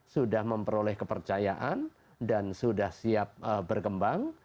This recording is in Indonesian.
sudah memperoleh kepercayaan dan sudah siap berkembang